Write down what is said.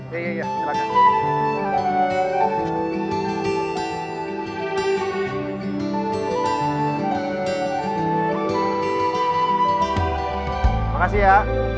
terima kasih ya